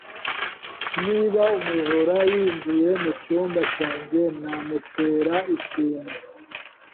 Niba umujura yinjiye mucyumba cyanjye, namutera ikintu.